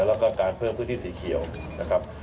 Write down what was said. แล้วก็การเพิ่มพื้นที่สีเขียวนะครับ